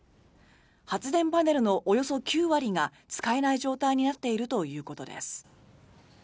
発電パネルのおよそ９割が使えない状態になっているということです。